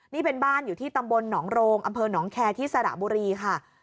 นี่เป็นบ้านอยู่ที่ตำบลหนองโรงอำเภอหนองแคร์ที่สระบุรีค่ะ